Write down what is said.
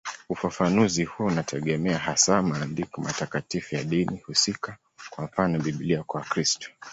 Ufafanuzi huo unategemea hasa maandiko matakatifu ya dini husika, kwa mfano Biblia kwa Wakristo.